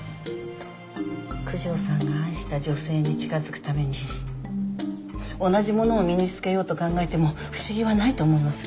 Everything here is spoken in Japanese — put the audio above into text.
九条さんが愛した女性に近づくために同じものを身に着けようと考えても不思議はないと思います。